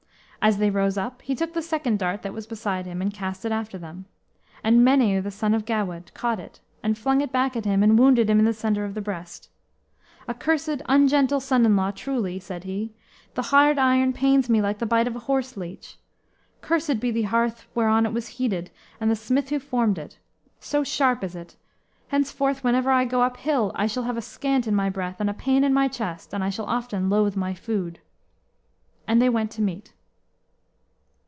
As they rose up he took the second dart that was beside him, and cast it after them. And Meneu, the son of Gawedd, caught it, and flung it back at him, and wounded him in the centre of the breast. "A cursed ungentle son in law, truly!" said he; "the hard iron pains me like the bite of a horse leech. Cursed be the hearth whereon it was heated, and the smith who formed it! So sharp is it! Henceforth, whenever I go up hill, I shall have a scant in my breath, and a pain in my chest, and I shall often loathe my food." And they went to meat.